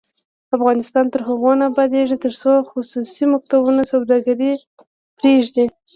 افغانستان تر هغو نه ابادیږي، ترڅو خصوصي مکتبونه سوداګري پریږدي.